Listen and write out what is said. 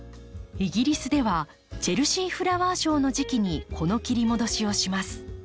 イギリスではチェルシーフラワーショーの時期にこの切り戻しをします。